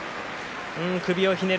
首をひねる